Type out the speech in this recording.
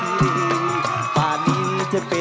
สวัสดีครับ